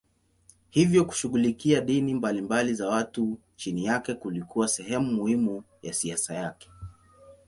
Hivyo kushughulikia dini mbalimbali za watu chini yake kulikuwa sehemu muhimu ya siasa yake.